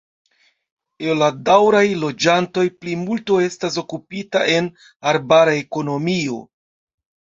El la daŭraj loĝantoj plimulto estas okupita en arbara ekonomio.